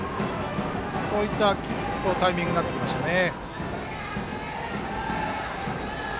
そういったタイミングになってきましたね。